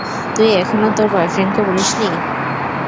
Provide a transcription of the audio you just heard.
তুই এখনো তোর বয়ফ্রেন্ডকে বলিস নি।